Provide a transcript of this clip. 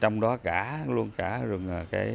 trong đó luôn cả rừng